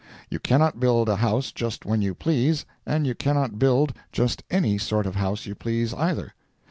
You cannot build a house just when you please, and you cannot build just any sort of a house you please either.